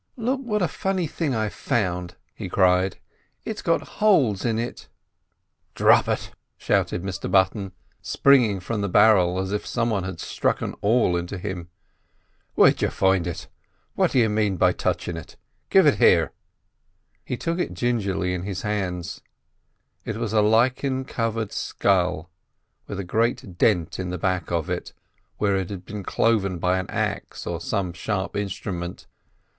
"Look at what a funny thing I've found!" he cried; "it's got holes in it." "Dhrap it!" shouted Mr Button, springing from the barrel as if some one had stuck an awl into him. "Where'd you find it? What d'you mane by touchin' it? Give it here." He took it gingerly in his hands; it was a lichen covered skull, with a great dent in the back of it where it had been cloven by an axe or some sharp instrument.